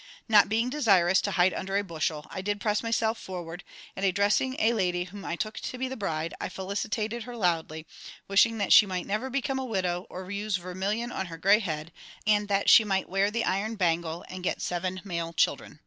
Not being desirous to hide under a bushel, I did press myself forward, and addressing a lady whom I took to be the bride, I felicitated her loudly, wishing that she might never become a widow, or use vermilion on her grey head, and that she might wear the iron bangle, and get seven male children.